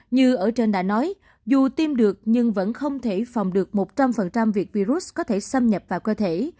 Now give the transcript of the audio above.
như ở trên đã nói dù tiêm được nhưng vẫn không thể phòng được một trăm linh việc virus có thể xâm nhập vào cơ thể